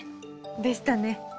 でしたね。